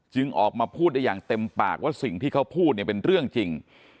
ออกมาพูดได้อย่างเต็มปากว่าสิ่งที่เขาพูดเนี่ยเป็นเรื่องจริง